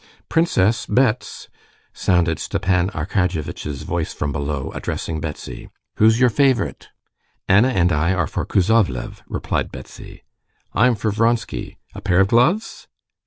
"Princess, bets!" sounded Stepan Arkadyevitch's voice from below, addressing Betsy. "Who's your favorite?" "Anna and I are for Kuzovlev," replied Betsy. "I'm for Vronsky. A pair of gloves?"